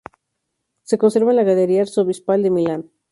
Se conserva en la Galería Arzobispal de Milán.